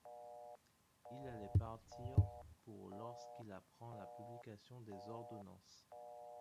Il allait partir pour lorsqu'il apprend la publication des Ordonnances.